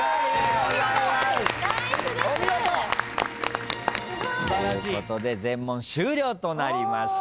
お見事！ということで全問終了となりました。